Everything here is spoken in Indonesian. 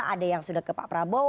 ada yang sudah ke pak prabowo